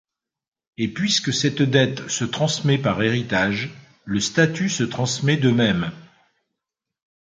Et puisque cette dette se transmet par héritage, le statut se transmet de même.